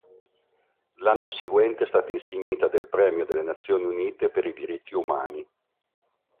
L'anno seguente è stata insignita del Premio delle Nazioni Unite per i diritti umani.